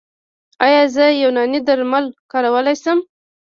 ایا زه یوناني درمل کارولی شم؟